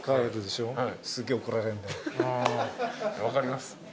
分かります。